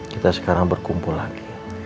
kita sekarang berkumpul lagi